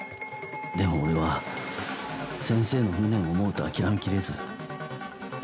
でも俺は先生の無念を思うと諦めきれず。